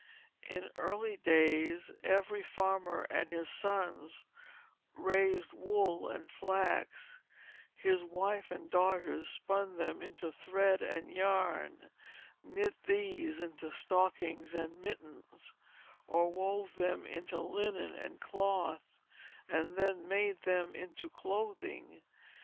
In early days every farmer and his sons raised wool and flax; his wife and daughters spun them into thread and yarn, knit these into stockings and mittens, or wove them into linen and cloth, and then made them into clothing.